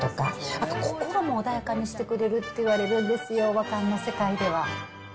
あと心も穏やかにしてくれるっていわれるんですよ、和漢の世界では。